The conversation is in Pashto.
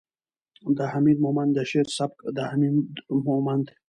، د حميد مومند د شعر سبک ،د حميد مومند